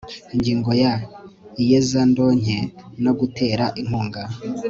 Ingingo ya Iyezandonke no gutera inkunga